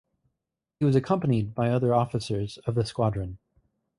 He was accompanied by other officers of the squadron.